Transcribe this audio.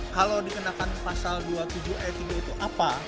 kalau dikenakan pasal dua puluh tujuh ayat tiga itu apa